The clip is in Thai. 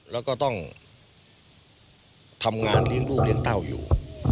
แล้วก็ต้องทำงานเลี้ยงลูกเลี้ยงเต้าอยู่